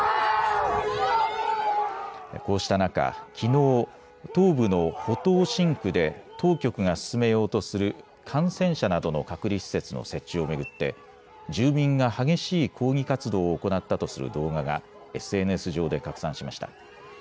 こうした中、きのう、東部の浦東新区で当局が進めようとする感染者などの隔離施設の設置を巡って住民が激しい抗議活動を行ったとする動画がＳＮＳ上で拡散しました。